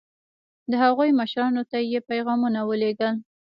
د هغوی مشرانو ته یې پیغامونه ولېږل.